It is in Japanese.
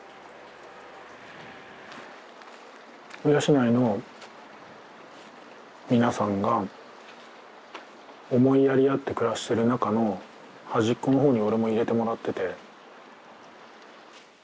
鵜養の皆さんが思いやりあって暮らしてる中の端っこの方に俺も入れてもらってて。